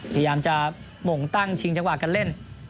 พยายามจะบ่งตั้งชิงจังหวะกันเล่น